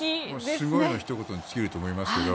すごいのひと言に尽きると思いますけど。